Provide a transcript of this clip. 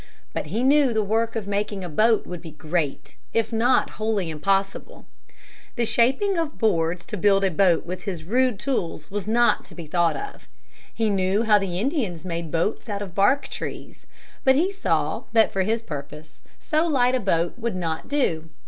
But he knew the work of making a boat would be great, if not wholly impossible. The shaping of boards to build a boat with his rude tools was not to be thought of. He knew how the Indians made boats out of bark of trees. But he saw that for his purpose so light a boat would not do.